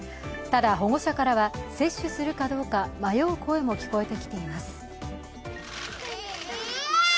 ただ、保護者からは接種するかどうか迷う声も聞こえてきています。